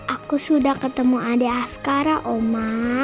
aku sudah ketemu adik askara oma